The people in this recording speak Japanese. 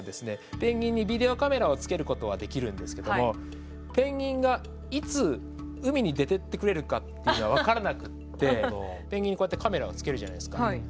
ペンギンにビデオカメラをつけることはできるんですけどもペンギンがいつ海に出てってくれるかっていうのが分からなくってペンギンにこうやってカメラをつけるじゃないですか。